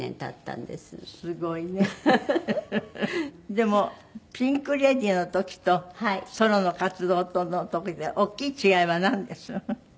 でもピンク・レディーの時とソロの活動の時で大きい違いはなんです？